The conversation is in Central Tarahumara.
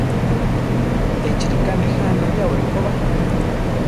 Échi ríka nejá anayáwari koba.